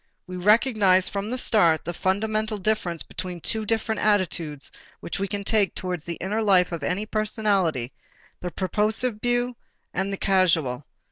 We recognized from the start the fundamental difference between two different attitudes which we can take towards the inner life of any personality, the purposive view and the causal.